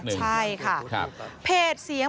ใช่ค่ะ